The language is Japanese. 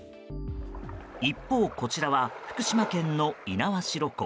一方、こちらは福島県の猪苗代湖。